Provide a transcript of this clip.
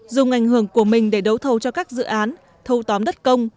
dùng ảnh hưởng của mình để đấu thầu cho các dự án thâu tóm đất công